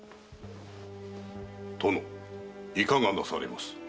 殿いかがなされます？